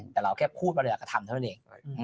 แต่เราแค่พูดว่าเวลากระทำเท่านั้นเอง